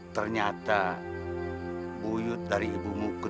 ternyata buyut dari ibumu